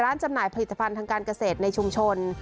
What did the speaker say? จำหน่ายผลิตภัณฑ์ทางการเกษตรในชุมชน